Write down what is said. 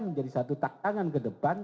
menjadi satu tantangan ke depan